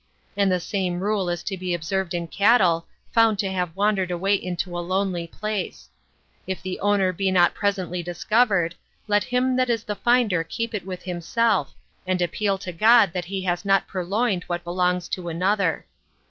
And the same rule is to be observed in cattle found to have wandered away into a lonely place. If the owner be not presently discovered, let him that is the finder keep it with himself, and appeal to God that he has not purloined what belongs to another.